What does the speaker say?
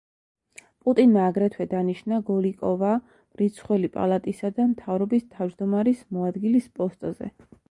პუტინმა აგრეთვე დანიშნა გოლიკოვა მრიცხველი პალატისა და მთავრობის თავმჯდომარის მოადგილის პოსტზე.